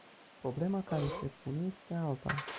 Problema care se pune este alta.